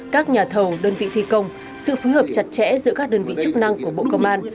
các nhà thầu đơn vị thi công sự phối hợp chặt chẽ giữa các đơn vị chức năng của bộ công an